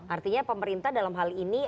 artinya pemerintah dalam hal ini